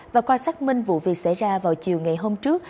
và qua xác minh vụ việc xảy ra vào chiều ngày hôm trước